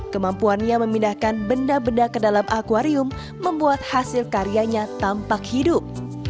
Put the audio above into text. kemampuannya memindahkan benda benda ke dalam akwarium membuat hasil karyanya tampak hidup